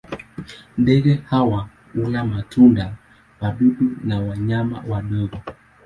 Ndege hawa hula matunda, wadudu na wanyama wadogo.